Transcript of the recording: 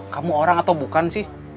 kamu orang atau bukan sih